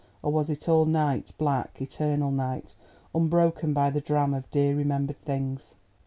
—or was it all night, black, eternal night, unbroken by the dream of dear remembered things?